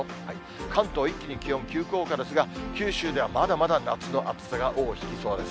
関東、一気に気温急降下ですが、九州ではまだまだ夏の暑さが尾を引きそうです。